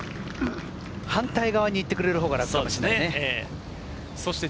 反対側に行ってくれるほうが楽かもしれないね。